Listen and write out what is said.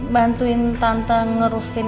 bantuin tante ngurusin